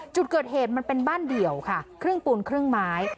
จุดเกิดเหตุมันเป็นบ้านเดี่ยวค่ะครึ่งปูนครึ่งไม้